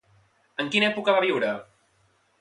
En quina època va viure?